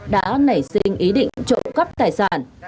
đã nảy sinh ý định trộm cắp tài sản